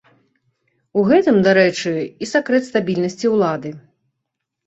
У гэтым, дарэчы, і сакрэт стабільнасці ўлады.